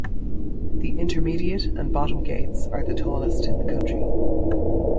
The intermediate and bottom gates are the tallest in the country.